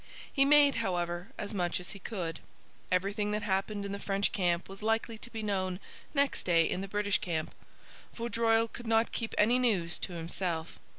He made, however, as much as he could. Everything that happened in the French camp was likely to be known next day in the British camp. Vaudreuil could not keep any news to himself.